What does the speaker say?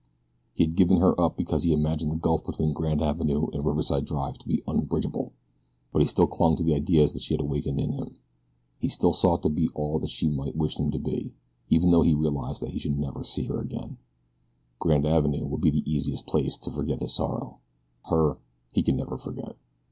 He had given her up because he imagined the gulf between Grand Avenue and Riverside Drive to be unbridgeable; but he still clung to the ideals she had awakened in him. He still sought to be all that she might wish him to be, even though he realized that he never should see her again. Grand Avenue would be the easiest place to forget his sorrow her he could never forget.